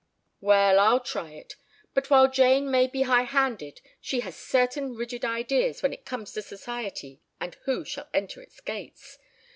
"Well, I'll try it. But while Jane may be high handed, she has certain rigid ideas when it comes to Society and who shall enter its gates.